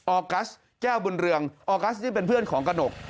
ออกัสแก้วบุญเรืองออกัสนี่เป็นเพื่อนของกระหนก